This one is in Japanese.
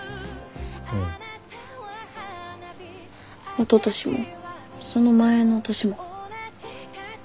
おととしもその前の年も。